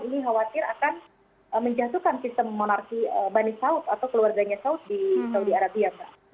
ini khawatir akan menjatuhkan sistem monarki bani saud atau keluarganya saud di saudi arabia mbak